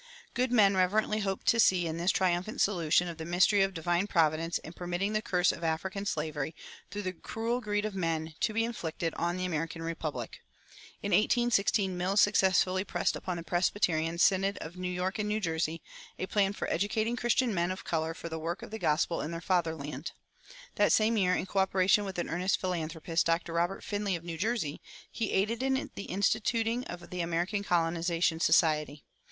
Good men reverently hoped to see in this triumphant solution of the mystery of divine providence in permitting the curse of African slavery, through the cruel greed of men, to be inflicted on the American republic. In 1816 Mills successfully pressed upon the Presbyterian "Synod of New York and New Jersey" a plan for educating Christian men of color for the work of the gospel in their fatherland. That same year, in coöperation with an earnest philanthropist, Dr. Robert Finley, of New Jersey, he aided in the instituting of the American Colonization Society.